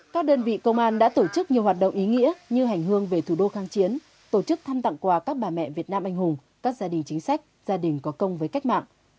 các đơn vị công an đã tổ chức nhiều hoạt động ý nghĩa như hành hương về thủ đô kháng chiến tổ chức thăm tặng quà các bà mẹ việt nam anh hùng các gia đình chính sách gia đình có công với cách mạng